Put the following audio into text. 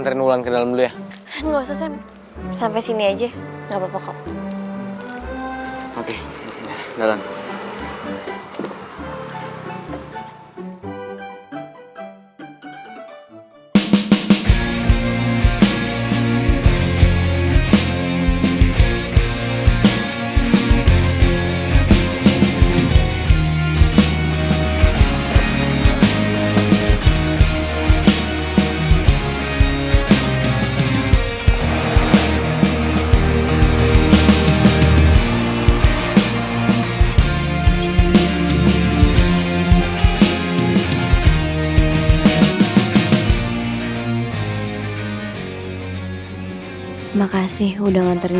siapa juga yang mau bilang makasih sama lo